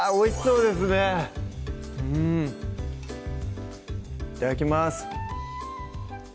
うんいただきます